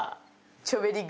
チョベリグ！